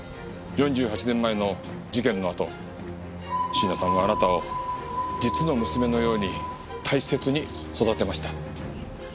４８年前の事件のあと椎名さんはあなたを実の娘のように大切に育てました。